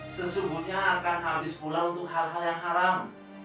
sesungguhnya akan habis pula untuk hal hal yang haram